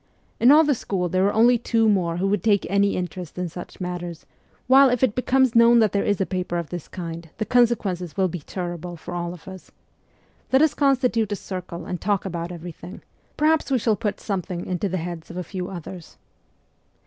In all the school there are only two more who would take any interest in such matters, while if it becomes known that there is a paper of this kind the consequences will be terrible for all of us. Let us con stitute a circle and talk about everything ; perhaps we shall put something into the heads of a few others.'